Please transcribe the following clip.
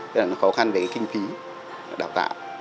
tức là nó khó khăn về kinh phí đào tạo